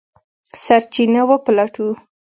سرچینه وپلټو.